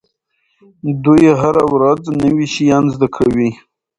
دوی هره ورځ نوي شیان زده کوي.